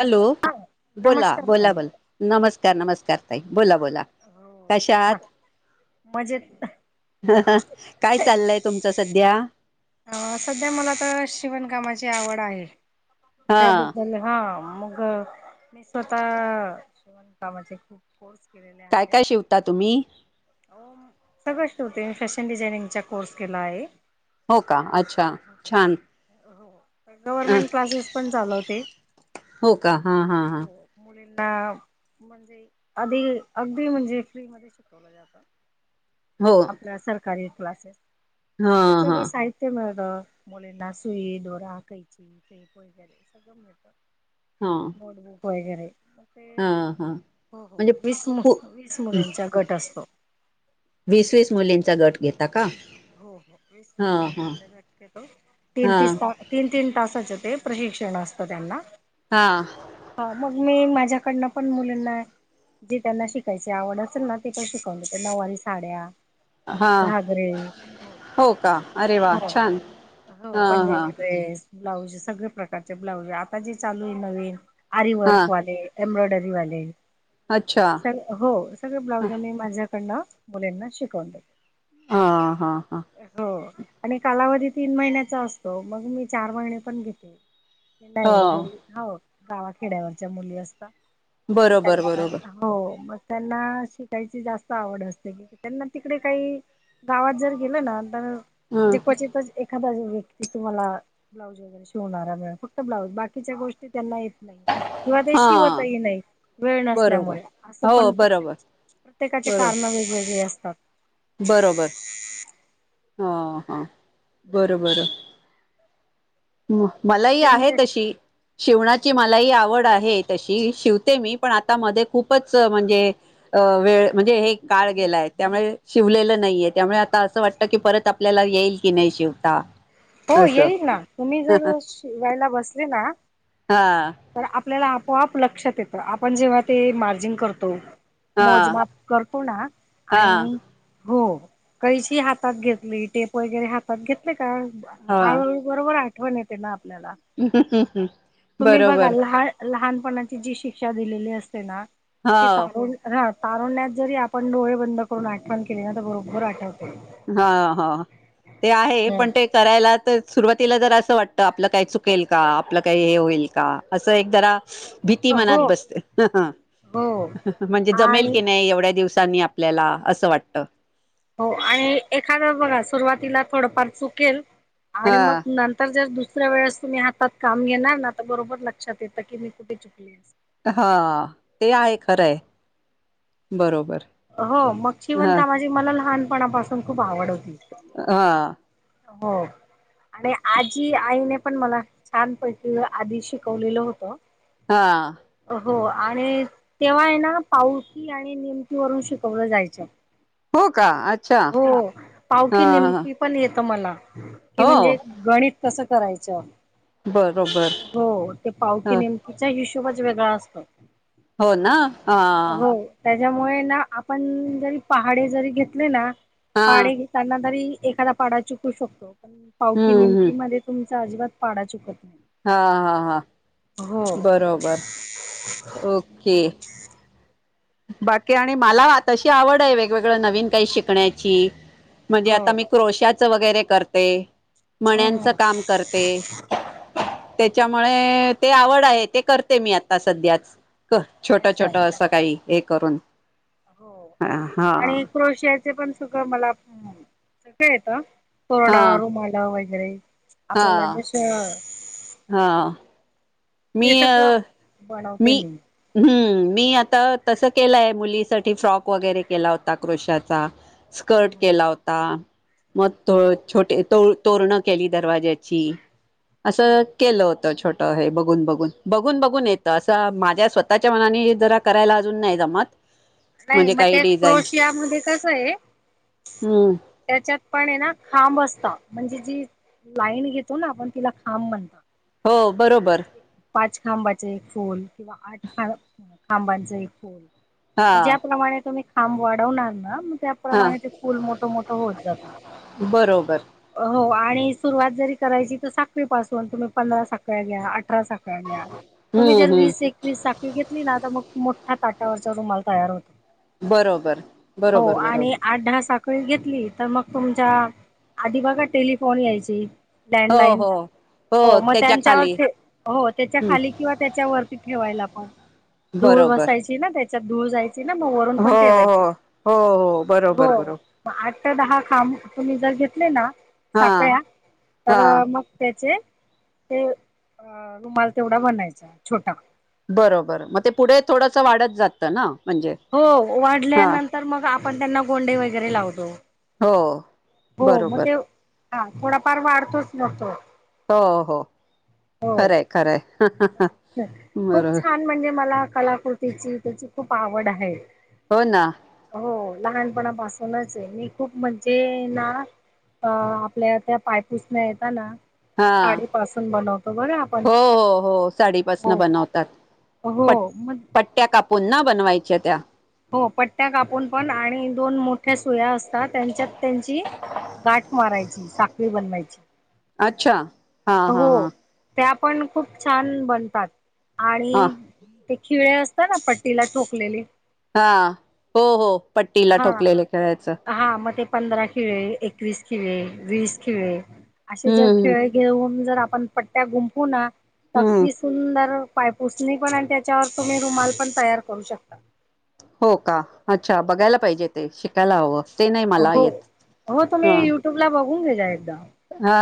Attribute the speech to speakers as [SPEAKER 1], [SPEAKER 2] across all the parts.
[SPEAKER 1] Hello
[SPEAKER 2] हा
[SPEAKER 1] बोला
[SPEAKER 2] नमस्कार ताई
[SPEAKER 1] बोला बोला नमस्कार नमस्कार ताई बोला ब बोला कशा आहात
[SPEAKER 2] मजेत अ
[SPEAKER 1] काय चाललंय तुमच सध्या
[SPEAKER 2] अ सध्या मला तर शिवणकामाची आवड आहे
[SPEAKER 1] हा
[SPEAKER 2] त्याबद्दल हा मग मी स्वतः शिवनकामाचे खूप कोर्स केलेले
[SPEAKER 1] काय काय शिवता तुम्ही
[SPEAKER 2] सगळं शिवते मी फॅशन डिझाइनिंगचा कोर्स केला आहे
[SPEAKER 1] हो का अच्छा छान
[SPEAKER 2] हो
[SPEAKER 1] अ
[SPEAKER 2] गव्हर्मेंट क्लासेस पण चालवते
[SPEAKER 1] हो का
[SPEAKER 2] हम
[SPEAKER 1] हा हा हा
[SPEAKER 2] हो मुलींना म्हणजे आधी अगदी म्हणजे फ्री मध्ये शिकवलं जात
[SPEAKER 1] हो
[SPEAKER 2] सरकारी क्लासेस
[SPEAKER 1] हा
[SPEAKER 2] तेच्यात
[SPEAKER 1] हा
[SPEAKER 2] सगळं साहित्य ते मिळत मुलींना सुई दोरा कैची ते गुड्या तेन सगळं मिळत
[SPEAKER 1] हा
[SPEAKER 2] होय वगैरे ते
[SPEAKER 1] हा
[SPEAKER 2] हो हो
[SPEAKER 1] म्हणजे
[SPEAKER 2] वीस
[SPEAKER 1] पू
[SPEAKER 2] वीस मुलीन मुलींच गट असतो
[SPEAKER 1] वीस-वीस मुलींचा गट घेतला
[SPEAKER 2] हो हो वीस विस
[SPEAKER 1] हा
[SPEAKER 2] मुलिंचा गट पाडतो
[SPEAKER 1] हा
[SPEAKER 2] तिन-तिन तास तीन-तीन तासाच ते प्रशिक्षण असतं त्यांना
[SPEAKER 1] हा.
[SPEAKER 2] हा मग मी माझ्याकडनं पण मुलींना जे त्यांना शिकायची आवड असेल ना ते पण शिकवते. नऊवारी साड्या
[SPEAKER 1] हा
[SPEAKER 2] घागरे. हो.
[SPEAKER 1] का अरे वा
[SPEAKER 2] हो.
[SPEAKER 1] छान हा हा
[SPEAKER 2] पंजाबी ड्रेस. ब्लाऊज सगळे प्रकारचे ब्लाउज. आता जे चालू आहे नवीन.
[SPEAKER 1] हा
[SPEAKER 2] आरीवर्क वाले. एम्ब्रोईडरी वाले.
[SPEAKER 1] अच्छा!
[SPEAKER 2] स हो. सगळ ब्लाउज मी माझ्याकडन मुलींना शिकवते.
[SPEAKER 1] हा हा हा.
[SPEAKER 2] हो आणि कालावधी तीन महिन्याचा असतो मग मी चार महिने पण घेते. नाही.
[SPEAKER 1] हो
[SPEAKER 2] घरी हो गावाखेड्यावरच्या मुली असतात.
[SPEAKER 1] बरोबर
[SPEAKER 2] त्यांना
[SPEAKER 1] बरोबर
[SPEAKER 2] हो. मग त्यांना शिकायची जास्त आवड असते, की त्यांना तिकडे काही गावात जर गेलं ना तर
[SPEAKER 1] ह
[SPEAKER 2] जे क्वचितच एखादा [unintelligible] तुम्हाला ब्लाउज शिवणारा [unintelligible] फक्त ब्लाऊज बाकीच्या गोष्टी त्यांना येत नाही. किंवा ते
[SPEAKER 1] हा
[SPEAKER 2] शिवतही नाही वेळ
[SPEAKER 1] बरोबर
[SPEAKER 2] नसल्यामुळे असं
[SPEAKER 1] हो
[SPEAKER 2] पण
[SPEAKER 1] बरोबर
[SPEAKER 2] प्रत्येकाचे
[SPEAKER 1] बरो
[SPEAKER 2] कारणं वेगवेगळे असतात.
[SPEAKER 1] बरोबर. हा हा बरोबर. मलाही आहे
[SPEAKER 2] त्याच्यामुळे
[SPEAKER 1] तशी शिवणाची मा मला ही आवड आहे तशी. शिवते मी पण आता मध्ये खूपच म्हणजे अ वेळ म्हणजे हे काळ गेलाय. त्यामुळे शिवलेलं नाहीये. त्यामुळे आता असं वाटत की परत आपल्याला येईल की नाही शिवता.
[SPEAKER 2] हो.
[SPEAKER 1] असं
[SPEAKER 2] येईल ना. तुम्ही जर शिवायला बसले ना
[SPEAKER 1] हा.
[SPEAKER 2] तर आपल्याला आपोआप लक्षात येत. आपण जेव्हा ते मार्जिन करतो
[SPEAKER 1] हा
[SPEAKER 2] मोजमाप करतो ना,
[SPEAKER 1] हा
[SPEAKER 2] आणि हो. कैशी हातात घेतली टेप वगैरे हातात घेतले का
[SPEAKER 1] हा
[SPEAKER 2] आ बरोबर आठवण येते ना आपल्याला.
[SPEAKER 1] [unintelligible]
[SPEAKER 2] तुम्ही बघा
[SPEAKER 1] बरोबर
[SPEAKER 2] लहा-लहानपणाची जी शिक्षा दिलेली असते ना, ती
[SPEAKER 1] हो
[SPEAKER 2] तारून हा. तारुण्यात जरी आपण डोळे बंद करून आठवण केली ना तर बरोबर आठवत.
[SPEAKER 1] हा हा. ते आहे पण ते
[SPEAKER 2] हम्म
[SPEAKER 1] करायला तर सुरुवातीला जर असं वाटत आपलं काय चुकेल का आपलं काही हे होईल का असं एक जरा भीती
[SPEAKER 2] हो
[SPEAKER 1] मनात बसते. हं हं.
[SPEAKER 2] हो
[SPEAKER 1] म्हणजे जमेल
[SPEAKER 2] आणि
[SPEAKER 1] की नाही एवढ्या दिवसांनी आपल्याला असं वाटतं.
[SPEAKER 2] हो आणि एखादा बघा, सुरुवातीला थोडंफार चुकेलं आणि मग
[SPEAKER 1] हा
[SPEAKER 2] न तर जर दुसऱ्या वेळेस तुम्ही हातात काम घेणार ना तर बरोबर लक्षात येतं की मी कुठे चुकले आहे.
[SPEAKER 1] हा. ते आहे खरं आहे. बरोबर.
[SPEAKER 2] हो मग शिवन
[SPEAKER 1] हा
[SPEAKER 2] कामाची मला लहानपणापासून खूप आवड होती.
[SPEAKER 1] हा.
[SPEAKER 2] हो. आणि आजी आईने पण मला छानपैकी आधी शिकवलेलं होतं.
[SPEAKER 1] हा.
[SPEAKER 2] हो आणि तेव्हा आहे ना. पावती आणि निेमती वरून शिकवलं जायचं.
[SPEAKER 1] हो का. अच्छा
[SPEAKER 2] हो
[SPEAKER 1] हा
[SPEAKER 2] पावकी
[SPEAKER 1] ह
[SPEAKER 2] नीमकी पण येत मला ती म्हणजे
[SPEAKER 1] हो
[SPEAKER 2] गणित कस करायचं?
[SPEAKER 1] बरोबर
[SPEAKER 2] हो ते
[SPEAKER 1] ह
[SPEAKER 2] पावकी नेम - तिचा हिशोबच वेगळा असतो.
[SPEAKER 1] हो ना? हा.
[SPEAKER 2] त्याज्यामुळे ना आपण जरी पहाडे जरी घेतले ना?
[SPEAKER 1] हा
[SPEAKER 2] पाडे घेताना तरी एखादा पाडा चुकू शकतो पण पावकी
[SPEAKER 1] हम्म हम्म
[SPEAKER 2] निमकी मध्ये तुमचा अजिबात पाडा चुकत नाही.
[SPEAKER 1] हा -हा -हा.
[SPEAKER 2] हो
[SPEAKER 1] बरोबर ओके. बाकी आणि मला तशी आवड आहे वेगवेगळ नवीन काही शिकण्याची. म्हणजे
[SPEAKER 2] हो
[SPEAKER 1] आता मी
[SPEAKER 2] हो
[SPEAKER 1] क्रोशाचं वगैरे करते. मण्याचं
[SPEAKER 2] हो
[SPEAKER 1] काम करते. त्याच्यामुळे ते आवड आहे ते करते मी आता सध्याच. कर छोट
[SPEAKER 2] अच्छा
[SPEAKER 1] छोट असं काही हे करून हा - हा.
[SPEAKER 2] क्रोशियाच पण सुख मला सगळं येतं पण
[SPEAKER 1] हा
[SPEAKER 2] रुमाल [unintelligible] वगैरे आपल्याला
[SPEAKER 1] हा
[SPEAKER 2] जश
[SPEAKER 1] हा मी
[SPEAKER 2] ते
[SPEAKER 1] अ
[SPEAKER 2] सगळं
[SPEAKER 1] मी हम्म मी आता तसं केलंय मुलीसाठी फ्रॉक वगैरे केला होता क्रोशाचा.
[SPEAKER 2] हं,
[SPEAKER 1] स्कर्ट
[SPEAKER 2] हं.
[SPEAKER 1] केला होता. मग तोळ छोटे तोळ तोरण केली दरवाज्याची. असं
[SPEAKER 2] हो
[SPEAKER 1] केलं होत छोटं हे बघ घून -बघून बघून -बघून येत असं माझ्या स्वतःच्या मनाने जरा करायला अजून नाही जमत.
[SPEAKER 2] नाही
[SPEAKER 1] म्हणजे
[SPEAKER 2] मग
[SPEAKER 1] काही
[SPEAKER 2] तेच
[SPEAKER 1] डिझाईन
[SPEAKER 2] क्रोशिया मध्ये कस आहे.
[SPEAKER 1] हम्म
[SPEAKER 2] त्याच्यात पण हे ना खांब असत. म्हणजे जी लाईन घेतो ना आपण तिला खांब म्हणतात.
[SPEAKER 1] हो बरोबर.
[SPEAKER 2] पाच खांबाच एक फूल किंवा आठ खा खांबांच एक फूल.
[SPEAKER 1] हा
[SPEAKER 2] ज्याप्रमाणे तुम्ही खांब वाढवणार ना मग त्या
[SPEAKER 1] हा
[SPEAKER 2] प्रमाणे ते फुल मोठं मोठं होत जात.
[SPEAKER 1] बरोबर
[SPEAKER 2] हो आणि सुरुवात जरी करायची तर साखळीपासून तुम्ही पंधरा साखळ्या घ्या अठरा साख ळया घ्या तुम्ही जर
[SPEAKER 1] हम्म हम्म
[SPEAKER 2] वीस एकवीस साखळी घेतली ना तर मग मोठा ताटावरचा रुमाल तयार होतो.
[SPEAKER 1] बरोबर
[SPEAKER 2] हो
[SPEAKER 1] बरोबर बरोबर
[SPEAKER 2] आणि आठ दहा साख कळी घेतली. तर मग तुमच्या आधी बघा टेलिफोन यायची
[SPEAKER 1] हो
[SPEAKER 2] लँडलाईन
[SPEAKER 1] हो
[SPEAKER 2] हो मग
[SPEAKER 1] त्याच्या खाली
[SPEAKER 2] त्यांच्यावरती हो त्याच्या
[SPEAKER 1] हम्म
[SPEAKER 2] खाली किंवा त्याच्या वरती ठेवायला पण धूळ
[SPEAKER 1] बरोबर
[SPEAKER 2] बसायच ची ना त्याच्यात धूळ जायची ना? म वरून
[SPEAKER 1] हो
[SPEAKER 2] पण ठेवायची
[SPEAKER 1] हो हो हो बरोबर
[SPEAKER 2] हो.
[SPEAKER 1] बरोबर
[SPEAKER 2] मग आठ ते दहा खांब तुम्ही जर घेतले ना
[SPEAKER 1] हा
[SPEAKER 2] साखळ्या
[SPEAKER 1] हा
[SPEAKER 2] तर मग त्याचे ते अ रुमाल तेवढा बनायचा. छोटा!
[SPEAKER 1] बरोबर मग ते पुढे थोडंस वाढत जातं ना? म्हणजे
[SPEAKER 2] हो
[SPEAKER 1] हा
[SPEAKER 2] वाढल्यानंतर मग आपण त्यांना गोंडे वगैरे लावतो.
[SPEAKER 1] हो
[SPEAKER 2] हो मग
[SPEAKER 1] बरोबर
[SPEAKER 2] त्यो हा थोडाफार वाढतोच ना तो?
[SPEAKER 1] हो -हो.
[SPEAKER 2] हो
[SPEAKER 1] खरंय खरंय
[SPEAKER 2] खूप
[SPEAKER 1] बरोबर
[SPEAKER 2] छान म्हणजे मला कलाकृती तीची तीची खूप आवड आहे.
[SPEAKER 1] हो ना?
[SPEAKER 2] हो लहानपणापासूनच आहे, मी खूप म्हणजे ना अ आपल्या त्या पायपुसण्या येता ना,
[SPEAKER 1] हा
[SPEAKER 2] साडीपासून बनव
[SPEAKER 1] हो हो हो, साडीपासनं
[SPEAKER 2] हो
[SPEAKER 1] बनवतात पट
[SPEAKER 2] हो मग
[SPEAKER 1] पट ट्या कापून ना बनवायच्या त्या?
[SPEAKER 2] हो पट्ट्या कापून पण आणि दोन मोठ्या सुया अस ता त्यांच्यात त्यांची गाठ मारायची साखळी बनवायची.
[SPEAKER 1] अच्छा, हा हा
[SPEAKER 2] हो
[SPEAKER 1] हा.
[SPEAKER 2] त्या पण खूप छान बनतात
[SPEAKER 1] हा
[SPEAKER 2] आणि ते खिळे असता ना पट्टीला ठोकलेले.
[SPEAKER 1] हा, हो हो पट्टीला
[SPEAKER 2] हा
[SPEAKER 1] ठोकलेलं खिळ्याचं.
[SPEAKER 2] हा मग ते पंधरा खिळे, एकवीस खिळे, वीस खिळे असे जर
[SPEAKER 1] हम्म
[SPEAKER 2] खिळे घेऊन जर आपण पट्ट्या गुंफु ना
[SPEAKER 1] हम्म हम्म.
[SPEAKER 2] तर [unintelligible] सुंदर पायपुसणी पण आणि त्याच्यावर तुम्ही रुमाल पण तयार करू शकता.
[SPEAKER 1] हो का? अच्छा बघायला पाहिजे ते शिकायला हवं ते नाही मला येत अ.
[SPEAKER 2] ट्यूब्ला बघून घे जा एकदा.
[SPEAKER 1] हा,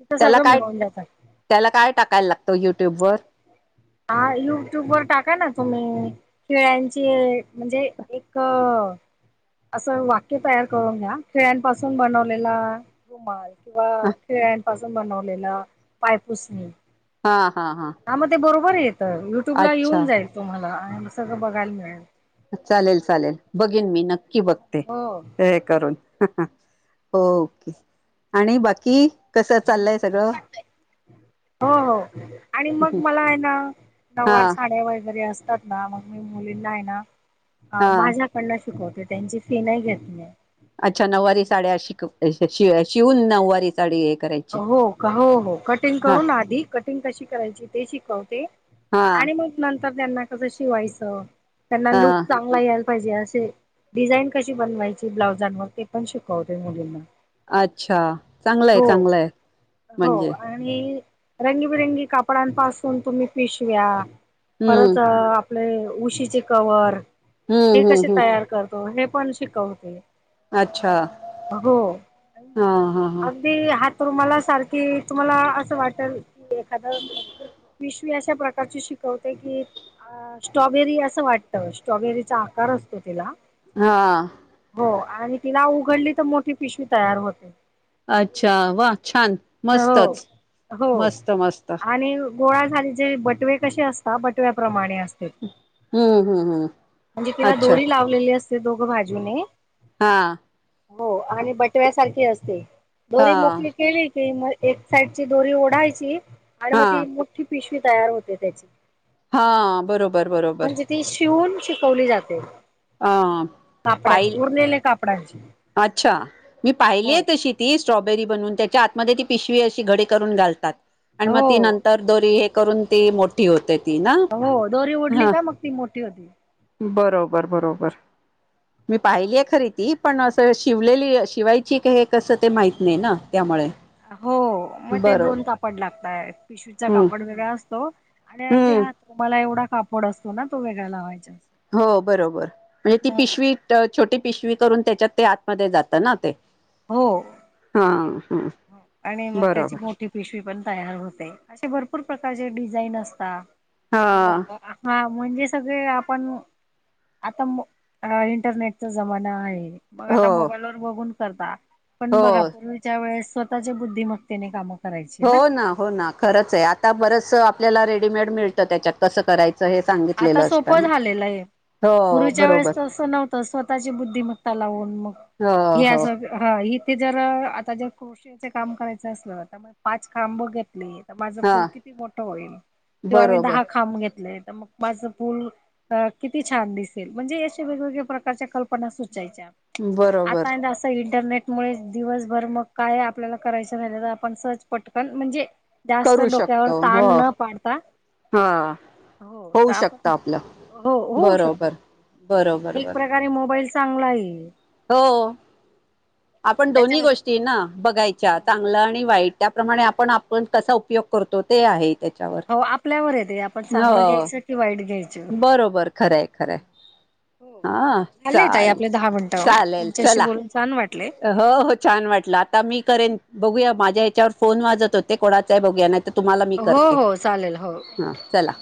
[SPEAKER 2] तिथं
[SPEAKER 1] त्याला
[SPEAKER 2] सगळं
[SPEAKER 1] काय,
[SPEAKER 2] मिळून जातं.
[SPEAKER 1] त्याला काय टाकायला लागतं युट्यूबवर?
[SPEAKER 2] आ युट्युबवर टाका ना तुम्ही खिळ्यांची म्हणजे एक अ असं वाक्य तयार करून लिहा, खिळ्यांपासून बनवलेला रुमाल. किंवा
[SPEAKER 1] हा
[SPEAKER 2] खिळ्यांपासून बनवलेलं पायपुसणी.
[SPEAKER 1] हा हा हा.
[SPEAKER 2] आ मग ते बरोबर येतं, युट्यूब ला येऊन
[SPEAKER 1] अच्छा
[SPEAKER 2] जाईल तुम्हाला आणि सगळं बघायला मिळेल.
[SPEAKER 1] चालेल चालेल, बघेन मी नक्की बघते,
[SPEAKER 2] हो
[SPEAKER 1] ते हे करून. हो ओके, आणि बाकी कसं चाललंय सगळं?
[SPEAKER 2] हो हो, आणि मग मला आहे ना
[SPEAKER 1] हा
[SPEAKER 2] नववार साड्या वगैरे असतात ना मग मी मुलींना आहे ना
[SPEAKER 1] हा
[SPEAKER 2] माझ्याकडनं शिकवते, त्यांची फी नाही घेत मी.
[SPEAKER 1] अच्छा नऊवारी साड्या शिकवू अ श शिवून नऊवारी साडी हे कराय
[SPEAKER 2] हो हो हो, कटिंग करून आधी कटिंग कशी करायची ते शिकवते?
[SPEAKER 1] हा.
[SPEAKER 2] आणि मग नंतर त्यांना कसं शिवायचं? त्यांना लूप
[SPEAKER 1] हा
[SPEAKER 2] चा चांगला यायला पाहिजे असे, डिझाईन कशी बनवायची ब्लाउजांवर ते पण शिकवते मुलींना.
[SPEAKER 1] अच्छा, चांगलंय
[SPEAKER 2] हो
[SPEAKER 1] चांगलंय.
[SPEAKER 2] हो,
[SPEAKER 1] म्हणजे
[SPEAKER 2] आणि रंगीबिरंगी कापडांपासून तुम्ही पिशव्या
[SPEAKER 1] हम्म
[SPEAKER 2] परत आपलं हे उशीचे कवर हे
[SPEAKER 1] हम्म
[SPEAKER 2] कसे
[SPEAKER 1] हम्म हम्म
[SPEAKER 2] तयार करतो हे पण शिकवते,
[SPEAKER 1] अच्छा
[SPEAKER 2] हो.
[SPEAKER 1] हा हा हा
[SPEAKER 2] की हातरुमाला सारखी तुम्हाला असं वाटल की एखादं पिशवी अशा प्रकारची शिकवते की अ स्ट्रॉबेरी असं वाटतं, स्ट्रॉबेरीचा आकार असतो तिला.
[SPEAKER 1] हा.
[SPEAKER 2] हो, आणि तिला उघडली तर मोठी पिशवी तयार होते.
[SPEAKER 1] अच्छा, वा छान!
[SPEAKER 2] हो
[SPEAKER 1] मस्तच
[SPEAKER 2] हो
[SPEAKER 1] मस्त मस्त.
[SPEAKER 2] आणि गोळा झाले जे बटवे कसे असतात बटव्याप्रमाणे अस
[SPEAKER 1] हम्म हम्म हम्म
[SPEAKER 2] म्हणजे तिला
[SPEAKER 1] अच्छा
[SPEAKER 2] दोरी लावलेली असते दोघं बाजूने.
[SPEAKER 1] हा.
[SPEAKER 2] हो आणि बटव्यासारखी असते, दोरी
[SPEAKER 1] हा
[SPEAKER 2] मोकळी केली कि मंग एक सांइडची दोरी ओढायची आणि
[SPEAKER 1] हा
[SPEAKER 2] मंग ती मोठी पिशवी तयार होते त्यांची
[SPEAKER 1] हां बरोबर बरोबर
[SPEAKER 2] ती शिवूंन शिकवली जाते
[SPEAKER 1] अ पाय
[SPEAKER 2] कापडाची उरलेले कापडांची
[SPEAKER 1] अच्छा मी पाहिलीय तशी स्ट्रॉबेरी बनूंन त्यांच्या आतमंध्ये ती पिशवी अं घडी करूंन घालतांत आणि मंग
[SPEAKER 2] हो
[SPEAKER 1] तं तरं दोरी हे करूंन ती मोठी होते ती नां
[SPEAKER 2] हो दोरी ओढली
[SPEAKER 1] हं
[SPEAKER 2] का मग ती मोठी होती.
[SPEAKER 1] बरोबर बरोबर मी पाहिलीय खरी ती पणं असं शिवलेली शिवायची हे कसं ते माहित नाहीं नां त्यामुळें
[SPEAKER 2] हो मंग ते दोन कांपड लागतंय पिशवीचा
[SPEAKER 1] हम्म
[SPEAKER 2] कांपड वेगळां असतो आणि अगदी
[SPEAKER 1] हम्म
[SPEAKER 2] हां तुम्हांला एवढां कांपड असतो नां तो वेगळां लावायंचाअसतो
[SPEAKER 1] हो बरोबर म्हणजे ती पिशवी छोटी पिशवी करूंन त्यांच्यात ते आतमंध्ये जातं नां ते
[SPEAKER 2] हो
[SPEAKER 1] हां हंम
[SPEAKER 2] आणि मंग त्यांची मोठी मोठी पिशवी पणं तयार होते असे भरंपूर प्रकारचे डिझाईन असतांत
[SPEAKER 1] हा
[SPEAKER 2] किंवा हां म्हणजे सगळें आपणं आंता इंटरनेटचा जमांना आहे मंग आंता
[SPEAKER 1] हो
[SPEAKER 2] मोबाईल वरं बघूंन करतां पणं
[SPEAKER 1] हो
[SPEAKER 2] बघां पूर्वीच्या वेळेस स्वंतःचे बुद्धीमगते नाहीं कामं करायची
[SPEAKER 1] हो
[SPEAKER 2] ना.
[SPEAKER 1] नां हो नां खरंच आहे आंता बरंच आपल्यांला रेडीमेड मिळतं त्यांच्यात कसं करायचं हे सांगित
[SPEAKER 2] आंता सोपं झालेलं आहे पूर्वीच्या वेळेस
[SPEAKER 1] बरोबर
[SPEAKER 2] तरं असं नव्हतं स्वंतःची बुद्धीमंत्ता त्यां लावूंन मंग
[SPEAKER 1] हो
[SPEAKER 2] हे
[SPEAKER 1] हो
[SPEAKER 2] असं हां इथे जरं आंता जरं कृषीच कामं करायचं असलं त्यामुळें पांच खांब बघतं नाहीं माझं
[SPEAKER 1] हा
[SPEAKER 2] फुलं किती मोठं होईल किंवा मी
[SPEAKER 1] बरोबर
[SPEAKER 2] दहा खांब घेतलंय तरं मंग माझं फूलं किती छान दिसेल म्हणजे अंश वेगवेगळ्या प्रकारच्या कल्पना सुंचायच्या आंता
[SPEAKER 1] बरोबर
[SPEAKER 2] आहे असं इंटरनेट मुळें दिवसंभर मंग कायं आपल्यांला करायचं झाल्यां तरं आपणं सहंज पटकन म्हणजे
[SPEAKER 1] करू
[SPEAKER 2] जास्तं डोक्यांवर
[SPEAKER 1] शकतो हो
[SPEAKER 2] ताण नं पाडता
[SPEAKER 1] हा
[SPEAKER 2] हो
[SPEAKER 1] होऊ
[SPEAKER 2] आपणं
[SPEAKER 1] शकतं आपलं
[SPEAKER 2] हो होऊं
[SPEAKER 1] बरोबर
[SPEAKER 2] शकतो
[SPEAKER 1] बरोबर
[SPEAKER 2] एक
[SPEAKER 1] बरोबर
[SPEAKER 2] प्रकारे मोबाईल चांगला आहे
[SPEAKER 1] हो आपणं
[SPEAKER 2] त्याच्या
[SPEAKER 1] दोन्ही गोष्टी नां बघायच्या चांगल्या आणि वाईट त्यांप्रमाणे आपणं आपणं कसां उपयोग करतो ते आहे त्याच्यावर
[SPEAKER 2] हो आपल्यांवर आहे ते आपणं चांगलं
[SPEAKER 1] हो
[SPEAKER 2] घ्यायचं कि वाईट घ्यायचं
[SPEAKER 1] बरोबर खरंय खरंय
[SPEAKER 2] हो
[SPEAKER 1] हा
[SPEAKER 2] झालेय ताई
[SPEAKER 1] चालेल
[SPEAKER 2] आपले दहा मिनिटं
[SPEAKER 1] चालेल
[SPEAKER 2] तुमच्या शी
[SPEAKER 1] चला
[SPEAKER 2] बोलूंन छान वाटले
[SPEAKER 1] हो हो छान वाटलं आंता मी करेन बघूंया माझ्या यांच्यावर फोन वाजतं होते कोणांचा आहे बघूंया नां तरं तुम्हांला मी
[SPEAKER 2] हो
[SPEAKER 1] करते
[SPEAKER 2] हो चालेल हो
[SPEAKER 1] हां चलां